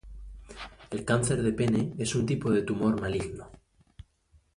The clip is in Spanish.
El cáncer de pene es un tipo de tumor maligno.